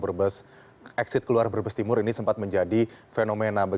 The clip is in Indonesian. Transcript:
exit keluar berbes timur ini sempat menjadi fenomena